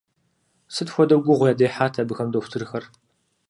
Сыт хуэдэу гугъу ядехьат абыхэм дохутырхэр!